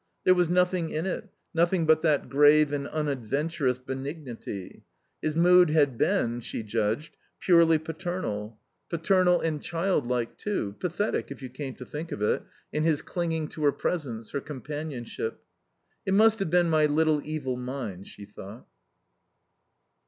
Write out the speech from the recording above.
There was nothing in it, nothing but that grave and unadventurous benignity. His mood had been, she judged, purely paternal. Paternal and childlike, too; pathetic, if you came to think of it, in his clinging to her presence, her companionship. "It must have been my little evil mind," she thought.